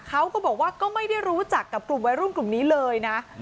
เขาก็บอกว่าก็ไม่ได้รู้จักกับกลุ่มวัยรุ่นกลุ่มนี้เลยนะ